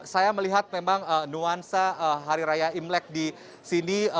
saya melihat memang nuansa hari raya imlek di sini